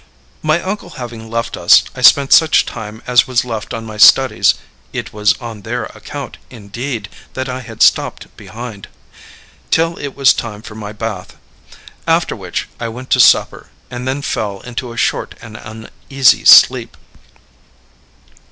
My uncle having left us, I spent such time as was left on my studies (it was on their account, indeed, that I had stopped behind) till it was time for my bath. After which I went to supper, and then fell into a short and uneasy sleep.